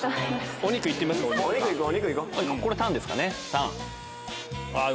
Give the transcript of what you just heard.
お肉いってみましょう。